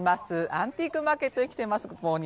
アンティークマーケットに来ています。